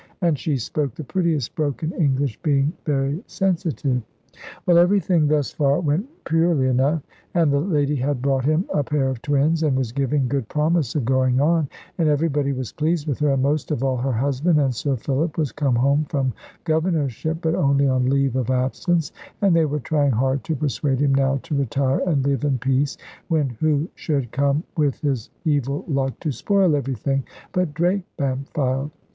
And she spoke the prettiest broken English, being very sensitive. Well, everything thus far went purely enough, and the lady had brought him a pair of twins, and was giving good promise of going on, and everybody was pleased with her, and most of all her husband, and Sir Philip was come home from governorship, but only on leave of absence, and they were trying hard to persuade him now to retire and live in peace, when who should come with his evil luck to spoil everything, but Drake Bampfylde?